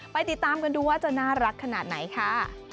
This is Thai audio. ติดตามกันดูว่าจะน่ารักขนาดไหนค่ะ